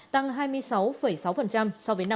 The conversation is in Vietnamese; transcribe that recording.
tăng hai mươi sáu sáu so với năm hai nghìn một mươi tám